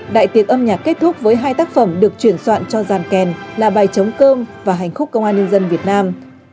đại tiệc âm nhạc kết thúc với hai tác phẩm được chuyển soạn cho giàn kèn là bài chống cơm và hành khúc công an nhân dân việt nam